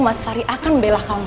mas fahri akan membela kamu